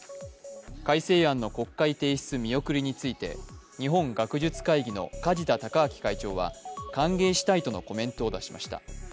改正案の国会提出見送りについて日本学術会議の梶田隆章会長は、歓迎したいとのコメントを出しました。